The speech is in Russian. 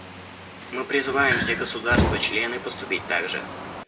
Мы призываем все государства-члены поступить так же.